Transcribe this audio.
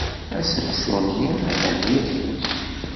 Asensu-nni atan dihin.